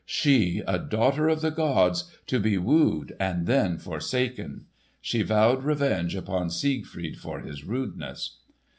She, a daughter of the gods, to be wooed and then forsaken! She vowed revenge upon Siegfried for his rudeness.